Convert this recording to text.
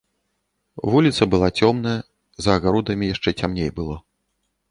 Вуліца была цёмная, за агародамі яшчэ цямней было.